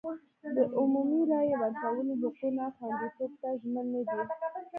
د عمومي رایې ورکونې حقونو خوندیتوب ته ژمن نه دی.